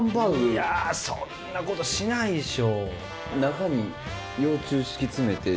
いやそんなことしないでしょ。